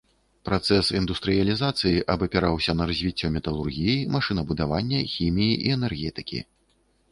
Працэс індустрыялізацыі абапіраўся на развіццё металургіі, машынабудавання, хіміі і энергетыкі.